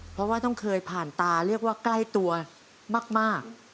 เพราะว่าต้องเคยผ่านตาเรียกว่าใกล้ตัวมาก